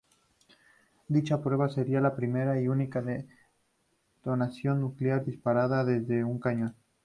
Dicha prueba sería la primera y única detonación nuclear disparada desde un cañón.